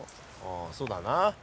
あそうだな。